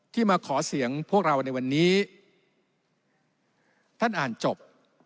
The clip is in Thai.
มาขอเสียงพวกเราในวันนี้ท่านอ่านจบ